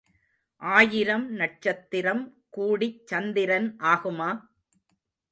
ஆயிரம் நட்சத்திரம் கூடிச் சந்திரன் ஆகுமா?